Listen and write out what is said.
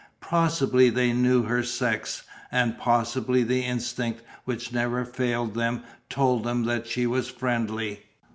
Possibly they knew her sex and possibly the instinct which never failed them told them that she was friendly.